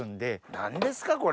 何ですかこれ！